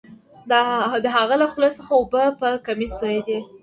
د هغه له خولې څخه اوبه په کمیس تویدې